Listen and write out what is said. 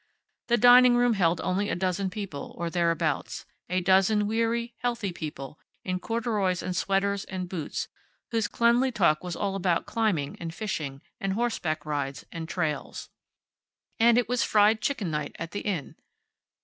The dining room held only a dozen people, or thereabouts a dozen weary, healthy people, in corduroys and sweaters and boots, whose cleanly talk was all about climbing and fishing, and horseback rides and trails. And it was fried chicken night at the Inn.